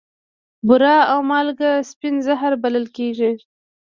بوره او مالګه سپین زهر بلل کیږي.